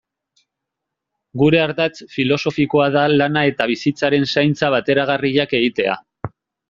Gure ardatz filosofikoa da lana eta bizitzaren zaintza bateragarriak egitea.